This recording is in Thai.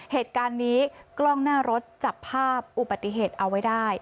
เหตุการณ์นี้กล้องหน้ารถจับภาพอุบัติเหตุเอาไว้ได้